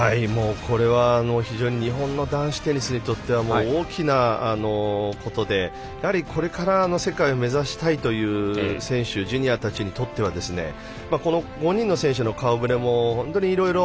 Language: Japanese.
これは非常に日本の男子テニスにとっては大きなことで、やはりこれからの世界を目指したいという選手ジュニアたちにとってはこの５人の選手の顔ぶれも本当にいろいろ。